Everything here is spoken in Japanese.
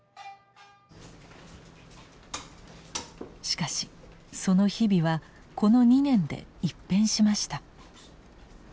しかしその日々はこの２年で一変しました。